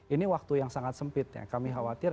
ini waktu yang sangat sempit ya kami khawatir